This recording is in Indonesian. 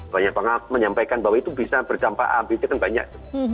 banyak penganggapan menyampaikan bahwa itu bisa berdampak ambil itu kan banyak